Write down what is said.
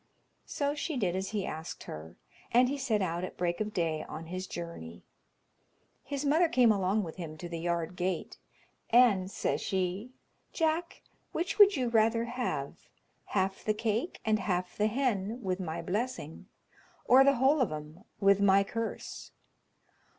So she did as he asked her, and he set out at break of day on his journey. His mother came along with him to the yard gate, and says she, "Jack, which would you rather have, half the cake and half the hen with my blessing, or the whole of 'em with my curse?"